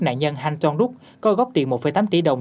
nạn nhân han jong duk có góp tiền một tám tỷ đồng